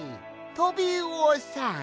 トビウオさん。